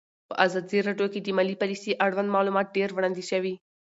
په ازادي راډیو کې د مالي پالیسي اړوند معلومات ډېر وړاندې شوي.